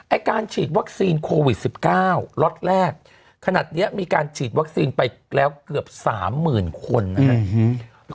การฉีดวัคซีนโควิด๑๙ล็อตแรกขนาดนี้มีการฉีดวัคซีนไปแล้วเกือบสามหมื่นคนนะครับ